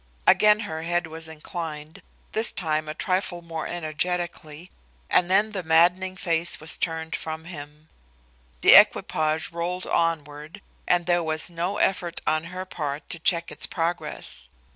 Again her head was inclined, this time a trifle more energetically, and then the maddening face was turned from him. The equipage rolled onward, and there was no effort on her part to check its progress.